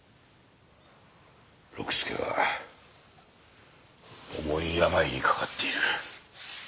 六助は重い病にかかっている。